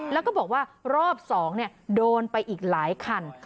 แล้วก็บอกว่ารอบ๒โดนไปอีกหลายคัน